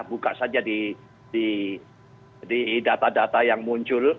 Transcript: buka saja di data data yang muncul